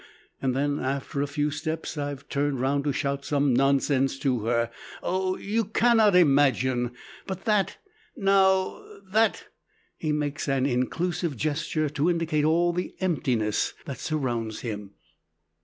And then, after a few steps, I've turned round to shout some nonsense to her! Oh, you cannot imagine! But that, now, that!" He makes an inclusive gesture to indicate all the emptiness that surrounds him.